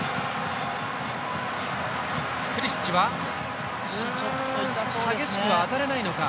プリシッチは激しくは当たれないのか。